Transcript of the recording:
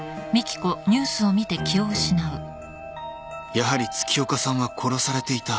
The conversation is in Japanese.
［やはり月岡さんは殺されていた。